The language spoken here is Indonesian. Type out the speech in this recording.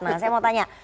nah saya mau tanya